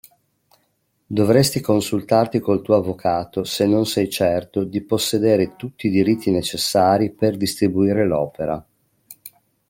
Dovresti consultarti col tuo avvocato se non sei certo di possedere tutti i diritti necessari per distribuire l'opera.